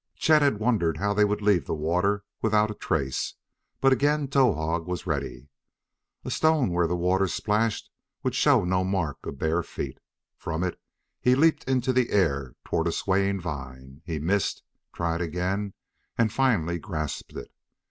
Chet had wondered how they would leave the water without trace, but again Towahg was ready. A stone where the water splashed would show no mark of bare feet. From it he leaped into the air toward a swaying vine. He missed, tried again, and finally grasped it.